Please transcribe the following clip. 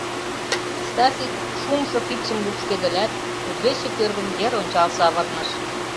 — Стасик шумшо кидшым лупшкедылат, кудывече кӧргым йыр ончал савырныш.